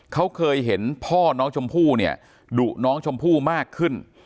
เขาเคยเห็นพ่อน้องชมพู่เนี่ยดุน้องชมพู่มากขึ้น